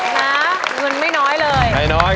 นะหนูไม่น้อยเลย